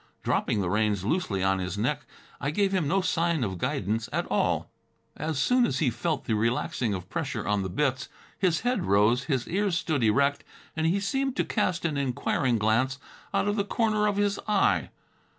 Dropping the reins loosely on his neck, I gave him no sign of guidance at all. As soon as he felt the relaxing of pressure on the bits, his head rose, his ears stood erect and he seemed to cast an inquiring glance out of the corner of his eye.